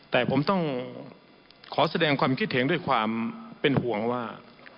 แต่ผมต้องขอแสดงความคิดเห็นด้วยความเป็นห่วงว่า